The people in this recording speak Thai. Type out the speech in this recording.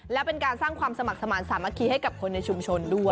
และเป็นการสร้างความสมัครสมาธิสามัคคีให้กับคนในชุมชนด้วย